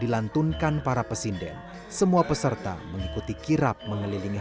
lancar dan dimudahkan